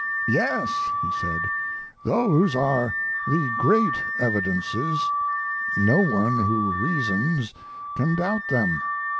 "Yes," he said, "those are the great evidences; no one who reasons can doubt them."